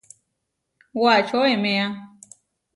Wačo eméa.